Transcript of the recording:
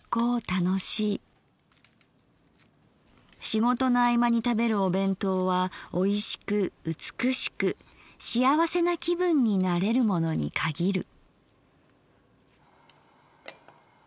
仕事の合間に食べるお弁当は美味しく美しくしあわせな気分になれるものに限る」。